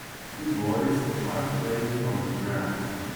Two boys are playing on the ground.